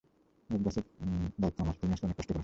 গোছগাছের দায়িত্ব আমার, তুমি আজকে অনেক কষ্ট করেছ।